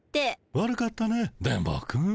悪かったね電ボくん。